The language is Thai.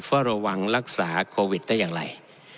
เฝ้าระวังรักษาโควิดได้อย่างไร